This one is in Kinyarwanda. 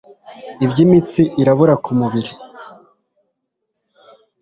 ibyimitsi irabura ku mubiri